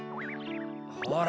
ほら。